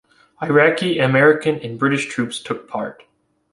Iraqi, American and British troops took part.